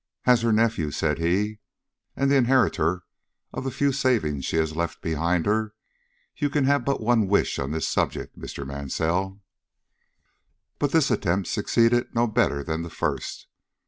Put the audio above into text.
"As her nephew," said he, "and the inheritor of the few savings she has left behind her, you can have but one wish on this subject, Mr. Mansell?" But this attempt succeeded no better than the first.